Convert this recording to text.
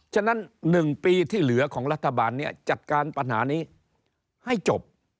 ฉะนั้น๑ปีที่เหลือของรัฐบาลนี้จัดการปัญหานี้ให้จบ